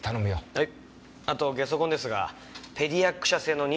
はい。